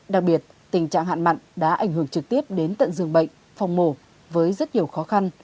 đặc biệt tình trạng hạn mặn đã ảnh hưởng trực tiếp đến tận giường bệnh phòng mổ với rất nhiều khó khăn